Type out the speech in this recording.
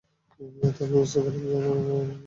এতে আমি বুঝতে পারলাম যে, তিনি আমার মঙ্গলার্থেই বলছেন।